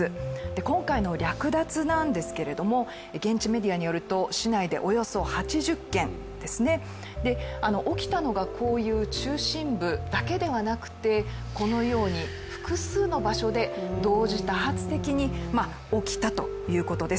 今回の略奪なんですけれども現地メディアによると市内でおよそ８０件ですね起きたのがこういう中心部だけではなくて、このように複数の場所で同時多発的に起きたということです。